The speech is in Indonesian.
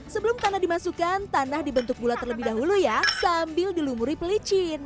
sebelum tanah dimasukkan tanah dibentuk bulat terlebih dahulu ya sambil dilumuri pelicin